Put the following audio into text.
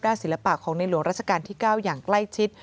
ศิลปะของในหลวงราชการที่๙อย่างใกล้ชิด